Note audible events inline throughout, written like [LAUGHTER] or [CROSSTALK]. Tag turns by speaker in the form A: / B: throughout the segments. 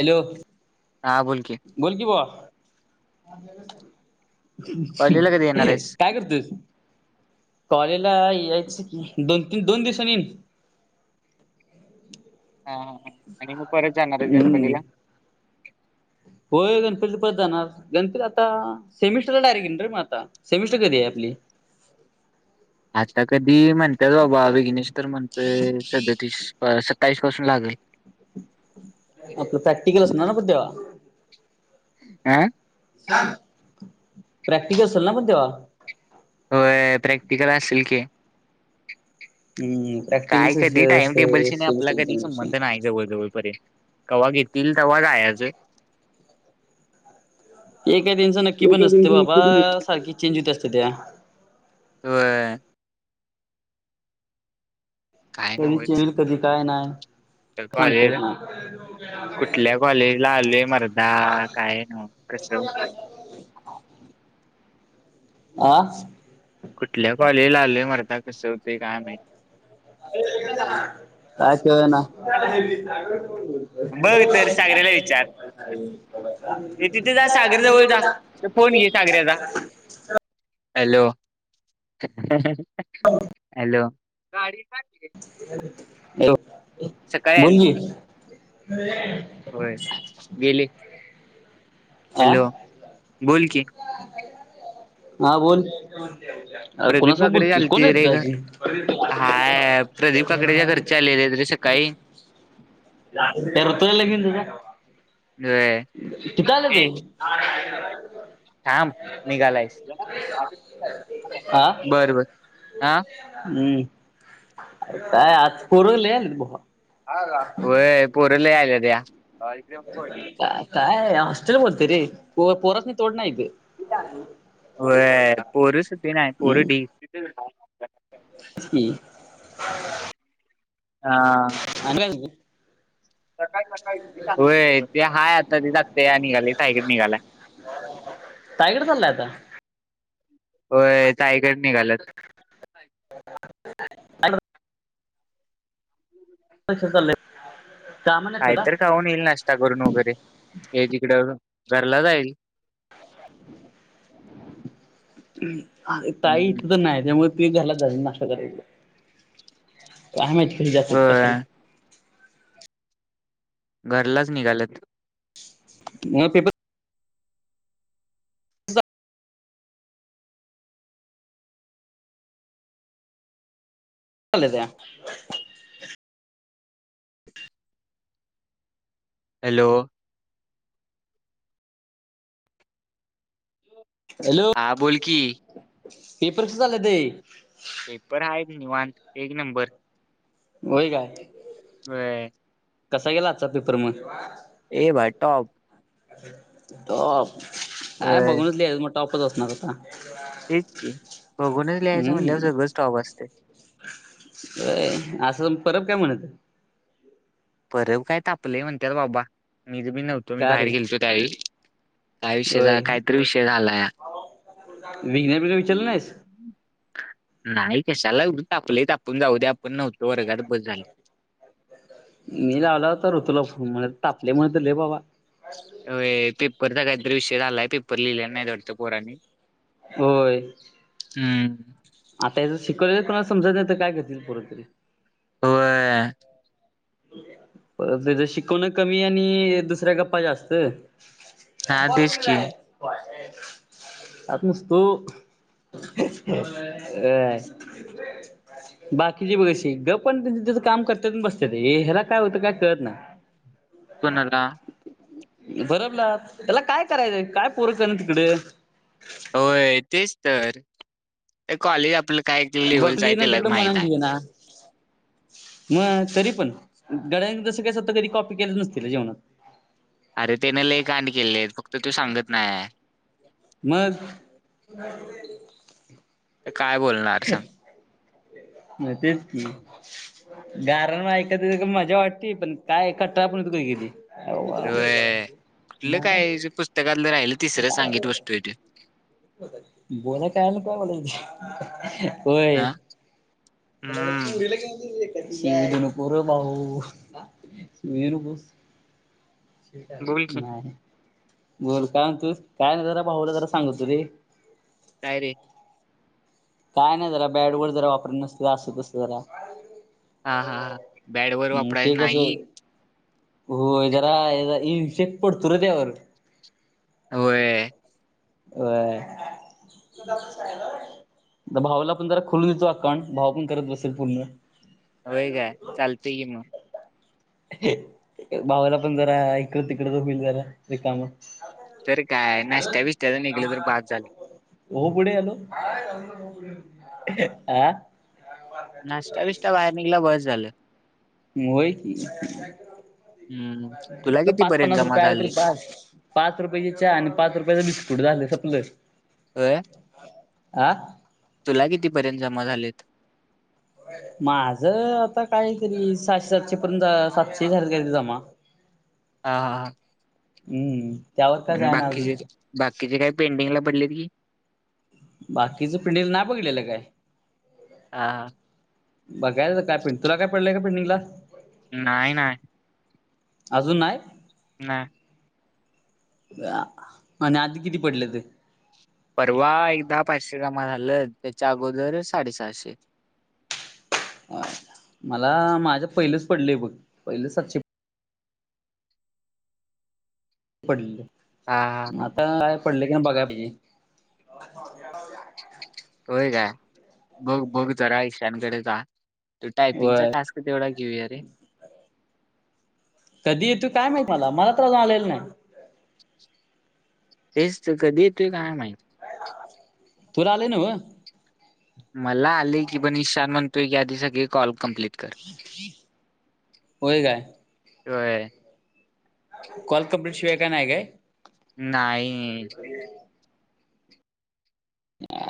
A: Hello
B: हा बोलकी
A: बोल की भावा
B: कॉलेजला कधी येणार आहेस?
A: काय करतोयस कॉलेजला यायच की दोन, तीन दोन दिवसांनी येईन
B: हा आणि मग परत जाणार आहे
A: हम्म.
B: गणपतीला
A: होय गणपतीला परत जाणार गणपती आता सेमिस्टरला डायरेक्ट येईन रे मग आता सेमिस्टर कधी आहे आपली
B: आता कधी म्हणतात बाबा विघ्नेश तर म्हणतोय सदतीस सत्तावीस पासून लागल [INAUDIBLE]
A: आपलं प्रॅक्टिकल असणार ना पण तेव्हा
B: आह
A: प्रॅक्टिकल असेल ना पण तेव्हा
B: हो प्रॅक्टिकल असेल की
A: हम्
B: काय कधी टाइम टेबलशी नाही आपला कधी
A: एक्झामिनेशन
B: संबंध नाही जवळ, जवळपर्यंत कवा घेतील तेव्हा जायाच
A: एका दिवसान नक्की पण असतं बाबा
B: निघते की निघते.
A: सारखी चेंज होत असते त्या
B: होय काय
A: कधी
B: नव्हच
A: चिल्ड कधी काय नाही
B: तर
A: सांगता येत
B: कॉलेजला
A: नाही
B: कुठल्या कॉलेजला आलोय मरदा काय नव कस होतंय
A: आं
B: कुठल्या कॉलेजला आलेय मर्दा कसं होते काय माहित
A: काय कळना
B: बघ तर सागऱ्याला विचार ते तिथे जा सागर जवळ जा ते फोन घे सागऱ्याचा
A: [UNINTELLIGIBLE]
B: हॅलो, हॅलो
A: हॅलो
B: सकाळी आणली
A: बोल की
B: होय गेली हॅलो
A: आ
B: बोल की
A: हा बोल अरे कोणा
B: प्रदीप
A: सोबत
B: काकडे
A: बोलतोयस कोण
B: आलती रे
A: तिथं
B: घ-
A: अजून
B: हाय काई
A: करतोय लगीन तुझ ते
B: होय थांब निघालायस
A: हा
B: बर, बर आ
A: हम्म काय आज पुरलेन बबा.
B: हा का व्हय पोरलई आला त्या
A: का काय हॉस्टेल बोलते रे पोरासनी तोडनाही इथं
B: व पोरू सुधी नाही पोरू
A: म
B: हा
A: आणि काय म्हणतो
B: सकाळी सकाळी होय ते हाय आता ते जगते निघाले ताईकडे निघालाय
A: तायगड चाललायता
B: हो ताईकड निघालात
A: [UNINTELLIGIBLE] कस चालाय
B: कायतर खाऊन येईल नाश्ता करून वगैरे हे तिकडं घरला जाईल
A: [INAUDIBLE] अ ताई इथ
B: हम्म
A: तर नाही त्यामुळे ते घरला जाऊन नाष्ट करायला गेलं आय माहित कठे जातत
B: होय
A: कशाला
B: घरलाच निघाल्यात
A: म पेपर ले [INAUDIBLE]
B: हॅलो
A: हॅलो
B: हा बोल की
A: पेपर कस चालल ते?
B: पेपर हाय एक निवांत एक नंबर.
A: वय काय
B: ह्
A: कसा गेला आजचा पेपर मग
B: ए भई टॉप
A: टॉप काय
B: होय
A: बघूनच लिह्याल मग टॉपच असणार आता
B: तेच की बघूनच लिहायचं म्हणल्यावर
A: हम्म
B: सगळं स्टॉप असते.
A: हे असुन परब काय म्हणत.
B: परब काय तापलंय म्हणत्यात बाबा मी ज मी नव्हतो मी
A: का
B: बाहेर
A: रे
B: गेलतो त्यावेळी. काय
A: होय
B: विषयचा काहीतरी विषय झाला या.
A: [UNINTELLIGIBLE] विचारलं नाहीस.
B: नाही कशाला उग तापलं तापून जाऊ दया आपण नव्हतो वर्गात बस झालं
A: मी लावला होता ऋतूला फोन तापल्या मुळ तर लय बाबा.
B: वय पेपर चा काय तर विषय झालाय पेपर लिहिले नायत वाटत पोरानी.
A: होय.
B: हम्म
A: आता याच शिकवलेल कोणाला समजत नाही तर काय करतील पोरं तरी.
B: व्हय.
A: पर त्याचं शिकवण कमी आणि दुसऱ्या गप्पा जास्त.
B: हा
A: पप्पा
B: तेच की
A: कुठेत? बाहेर आत नसतो. अ बाकीची बघ अशी गपणं तेनी तेज काम करत्याती आण बसत्याती. हे हेला काय होतं काय कळत नाय.
B: कोणाला
A: परबला त्याला काय करायचंय काय पोरीकण तिकड?
B: होय तेच तर कॉलेज आपलं काय ते लेवलच आहे
A: बघली ना
B: त्यालाच
A: तिकडं
B: माहित
A: मनानं
B: आह.
A: दिली ना मग तरी पण गड्यांन जसं काय स्वतः कधी कॉपी केलं नसती काय जेवणात.
B: अरे त्यान लई कांड केलय फक्त तो सांगत नाय.
A: मग.
B: तर काय बोलणार सांग.
A: नसेल ती. गारण ऐकाया मजा वाटती पण काय कंटाळा पण येतो की.
B: व्हय कुठलं काय पुस्तकातलं राहिलं. तिसरं सांगीत बसतोय तो.
A: बोलाय कळायला नको. काय
B: हा
A: बोलायच.
B: हम्म
A: व्हय. [UNINTELLIGIBLE] नाही
B: बोल की
A: बोल काय म्हणतोस. काय नाही जरा भाऊला जरा सांगत हुतो रे.
B: काय रे.
A: काय नाही. जरा बॅड वर जरा वापरत नसतं अस तस जरा.
B: हा हा ह बॅड वर वापराय
A: ते
B: नाही.
A: कसं होय. जरा हे जरा इन शट पडतुय रे त्यावर.
B: व्हय.
A: व्हय जातूस काय व्हय. भावाला पण जरा खुलूच जा. काम भाऊ पण करत बसेल पूर्ण.
B: होय काय, चालतय की मग.
A: भावाला पण जरा इकड तिकड होईल जरा रीकाम.
B: तर काय नाष्टा बिष्ट
A: कामाला हो पुढे आलो आ.
B: नाश्ता बिष्टा बाहेर निघला बस झालं.
A: व्हय, की
B: हम्म तुला
A: पाच
B: कितीपर्यंत
A: पन्नास
B: जमा
A: रुपये आला तरी
B: झाले
A: बास. पाच रुपयाच चहा आणि पाच रुपयाचं बिस्कुट झालं संपल.
B: व्हय.
A: आ.
B: तुला कितीपर्यंत जमा झालेत?
A: माझं आता कायतरी सहाशे सातशे पर्यंत सातशे झालतीत जमा.
B: हा.
A: हम्म. त्यावर काय
B: आणि
A: जायना अजून
B: बाकीचे? बाकीचे काही पेंडिंगला पडलेत की.
A: बाकीचं पेंडिंग नाही बघलेलं काय.
B: ह.
A: बघायच काय पि. तुला काय पडलंय का पेंडिंगला?
B: नाही नाही.
A: अजून नाही.
B: नाही.
A: आणि आधी किती पडलेत पेमेंट?
B: परवा एकदा पाचशे जमा झालं. त्याच्या अगोदर साडे सहाशे.
A: मला माझ्या पहिलेच पडले बघ पहिल सातशे पडल.
B: हां, हां, हां, हां.
A: आता काय पडले काय बघाय पाहिजे. हो
B: होय काय बघ बघ जरा ईशानकडे जा. तू टायपिंगचा
A: होय
B: टास्क तेवढा घेऊया रे.
A: कधी येतू काय माहित मला. मला तर आज आलेला नाही.
B: तेच तर कधी येतोय काय माहित.
A: तूला आलंय नव्ह.
B: मला आले की पण ईशान म्हणतोय की आधी सगळी कॉल कम्प्लीट
A: होय काय.
B: होय.
A: कॉल कंप्लीट शिवाय काय नाही काय.
B: नाही.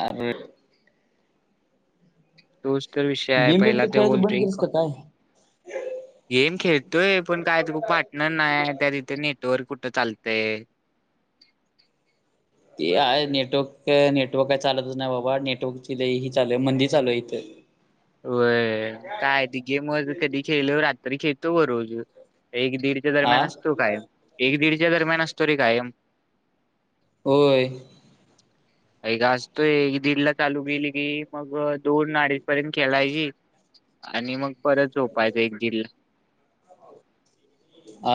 A: आर
B: तोच तर विषय आहे
A: गेम बेम
B: पहिला
A: ते
B: तो
A: खेळायचं बंद
B: बोलतोय
A: केलीस
B: का
A: काय
B: गेम खेळतोय पण काय पार्टनर नाही त्या तिथे नेटवर्क कुठं चालतय
A: ते हाय नेटवर्क नेटवर्क काय चालतच नाही बाबा नेटवर्क ही चालू आहे मंदी चालू आहे इथं
B: व काय ती गेम कधी खेल रात्री खेळतो ग रोज एक दीड दरम्यान
A: आ
B: असतो कायम एक दीडच्या दरम्यान असतो रे कायम
A: होय
B: एक ग असतोय एक दीडला चालू गेली गी मग दोन अडी पर्यंत खेळायची आणि मग परत झोपायचं एक दीड
A: आ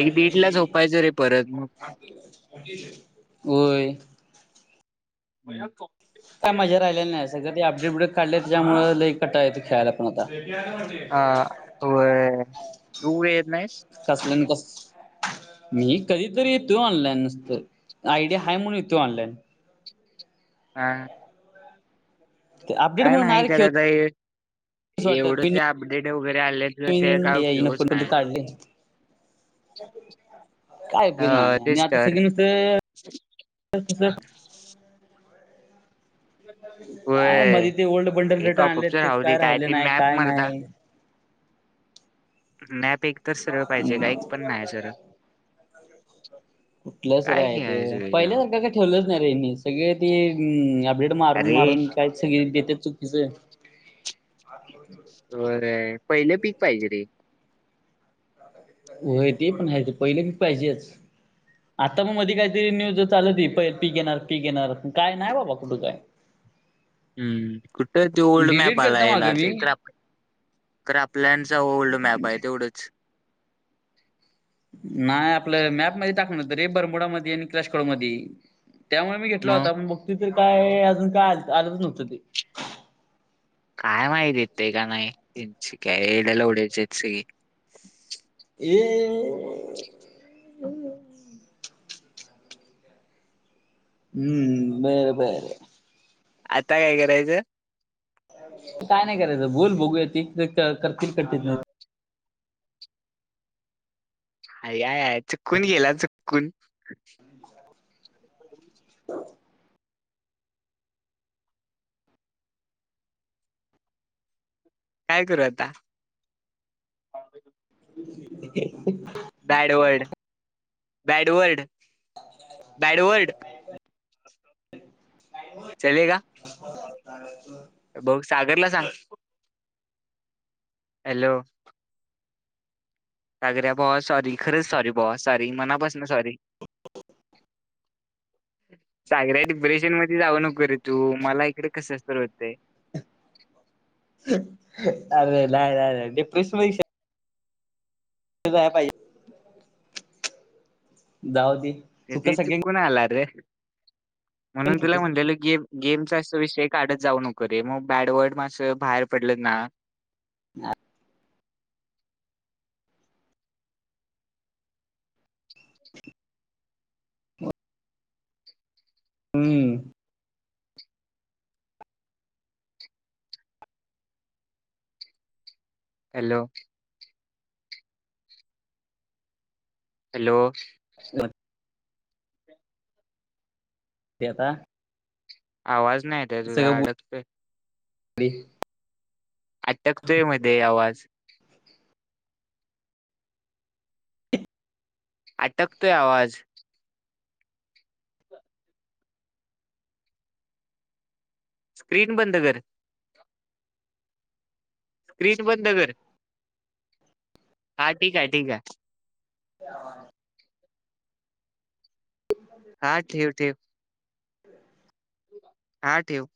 B: एक दीड ला झोपायचं रे परत मग
A: होय
B: म्हो [UNINTELLIGIBLE]
A: काय मज्या राहिलेलं नाही सगळं ते अपडेट बडेट काढले त्याच्यामुळे लई कंटाळा येत खेळायला पण आता
B: हा व्हय तु येत नाहीस?
A: खसलेन कस [UNINTELLIGIBLE] मी कधीतरी येतो ऑनलाईन नसत आयडिया आहे म्हणून येतो ऑनलाइन
B: हा
A: ते अपडेट
B: काय
A: म्हणून
B: नाही
A: रे
B: करत
A: खेळूच
B: आहे
A: वाटत
B: एवढं ते अपडेट वगैरे आले तरि त्या काय उपयोगच नाही
A: ह [UNINTELLIGIBLE] काय उपेग
B: अं,
A: नाही आणि
B: तेच
A: आता स
B: तर
A: नुस तस काय
B: होय
A: मध्ये ते ओल्ड बंडल
B: हे
A: रिटर्न आणले
B: टॉपअपच
A: ते
B: राहू दे
A: काय राहिले
B: ते
A: नाही
B: मॅप
A: काय
B: मरदा
A: नाही
B: मॅप एक तर
A: [UNINTELLIGIBLE]
B: सरळ पाहिजे का एक पण नाही सरळ
A: कुठलंच
B: काय
A: राय ते
B: खेळायचं
A: पहिले
B: त्याच्यावर
A: सारखं काय ठेवलंच नाही रे सगळे ते अपडेट मारून
B: अरे
A: मारून काय सगळी देते चुकीचं आज [UNINTELLIGIBLE]
B: बरं पहिले पीक पाहिजे रे
A: होय ते पण ह ते पहिले की पाहिजेच आता मग मधी काहीतरी न्यूज चालत त प पीक येणार पीक येणार काय नाही बाबा कुठे काय
B: हम्म कुठ तो ओल्ड मॅप
A: डिलीट
B: आला
A: केलता
B: येला
A: मागं
B: ते
A: मी.
B: इ तर आप [UNINTELLIGIBLE] तर आपल्याचा ओल्ड मॅप आहे तेवढंच
A: नाही आपलं मॅपमध्येध्ये टाकण तर रे बरमोडामध्येध्ये आणि कलाशकड मध्ये त्यामुळे मी घेतला होता मग बग त तर काय अजून काय आलंच नव्हतं ते
B: काय माहिती येते का नाही त्यांची काय एड्या लवड्याची आहेत सगळी
A: ये हम्म बर बर
B: आता काय करायचं
A: काय नाही करायचं बोल बघूया त करतील करतील
B: आय याय चुकून गेला चकून
A: हो
B: काय करू आता
A: ह [UNINTELLIGIBLE]
B: बॅडवर्ड बॅडवर्ड बॅडवर्ड चलेगा
A: [UNINTELLIGIBLE] [INAUDIBLE]
B: भाऊ सागरला सांग हॅलो सागऱ्या बॉ सॉरी खरंच सॉरी बॉ सॉरी मनापास ना सॉरी सागऱ्या डिप्रेशन मध्ये जावं नको रे तू मला इकडे कसं तर होतंय
A: अरे नाही नाही डिप्रेशन जायला पाहिजे. दावदी
B: ते चुकूून आला रे. म्हणून तुला म्हटलेलं गेम गेमचा अस विषय काढत जाऊ नको रे मग बॅडवर्ड मं बाहेर पडलं ना.
A: हम्म
B: हॅलो, हॅलो,
A: ल ते आता
B: आवाज नाही येत तुझा अडकतय.
A: हडी [UNINTELLIGIBLE]
B: अटकतोय मध्ये आवाज अटकतोय आवाज स्क्रीन बंद कर. स्क्रीन बंद कर हा ठीक आहे, ठीक आहे.
A: ह.
B: हा ठेव ठेव. हा ठेव.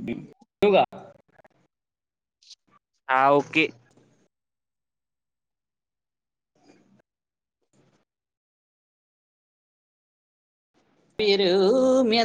A: ब य का [UNINTELLIGIBLE]
B: हा ओके.
A: परू म्या.